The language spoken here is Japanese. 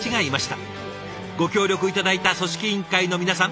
ご協力頂いた組織委員会の皆さん